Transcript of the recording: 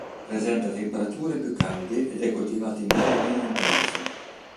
Presenta temperature più calde ed è coltivata in modo meno intenso.